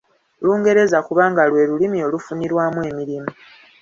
Lungereza kubanga lwe lulimi olufunirwamu emirimu.